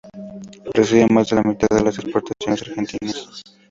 Recibe más de la mitad de las exportaciones argentinas.